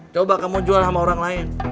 coba kamu jual sama orang lain